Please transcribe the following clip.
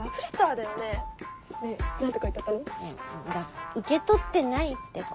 だから受け取ってないってば。